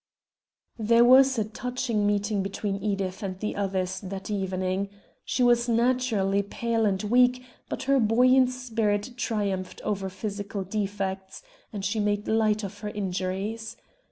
There was a touching meeting between Edith and the others that evening. She was naturally pale and weak, but her buoyant spirit triumphed over physical defects, and she made light of her injuries.